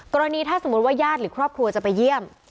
ถ้าสมมุติว่าญาติหรือครอบครัวจะไปเยี่ยม